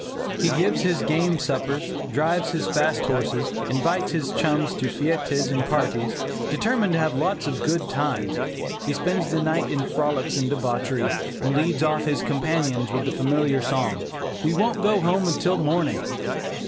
He gives his game suppers, drives his fast horses, invites his chums to fêtes and parties, determined to have lots of "good times." He spends the night in frolics and debauchery, and leads off his companions with the familiar song, "we won't go home till morning."